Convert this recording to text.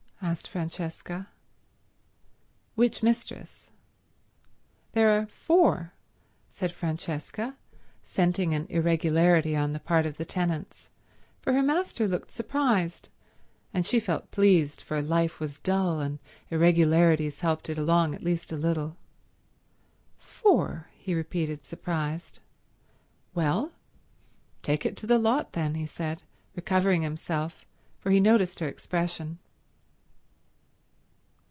asked Francesca. "Which mistress?" "There are four," said Francesca, scenting an irregularity on the part of the tenants, for her master looked surprised; and she felt pleased, for life was dull and irregularities helped it along at least a little. "Four?" he repeated surprised. "Well, take it to the lot then," he said, recovering himself, for he noticed her expression.